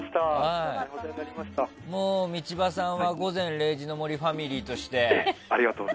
道場さんは「午前０時の森」ファミリーとして。